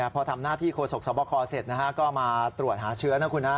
พอทำหน้าที่โฆษกสวบคเสร็จก็มาตรวจหาเชื้อนะคุณฮะ